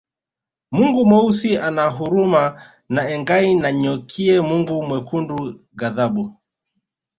Mungu Mweusi ana huruma na Engai Nanyokie Mungu Mwekundu ghadhabu